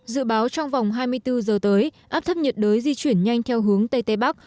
dự báo trong vòng hai mươi bốn giờ tới áp thấp nhiệt đới di chuyển nhanh theo hướng tây tây bắc